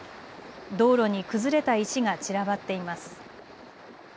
道路に崩れた石が散らばっています。